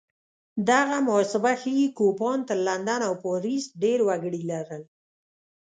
دغه محاسبه ښيي کوپان تر لندن او پاریس ډېر وګړي لرل